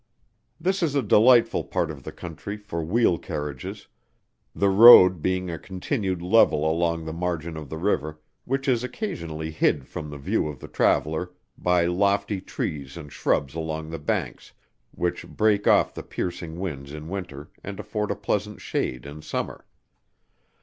This is a delightful part of the Country for wheel carriages, the road being a continued level along the margin of the river, which is occasionally hid from the view of the traveller, by lofty trees and shrubs along the banks, which break off the piercing winds in winter and afford a pleasant shade in summer.